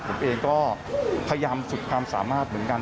ผมเองก็พยายามสุดความสามารถเหมือนกัน